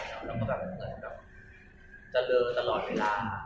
ก็เหมือนจะเดอะตลอดเวลา